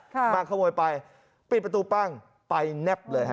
มาขโมยไปปิดประตูปั้งไปแนบเลยฮะ